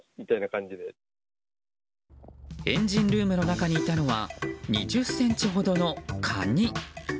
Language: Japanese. エンジンルームの中にいたのは２０ｃｍほどのカニ。